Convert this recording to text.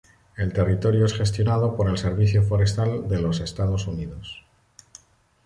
El territorio es gestionado por el Servicio Forestal de los Estados Unidos.